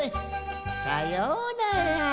さようなら。